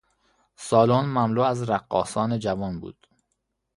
سالن مملو از رقاصان جوان بود.